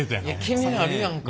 気になるやんか。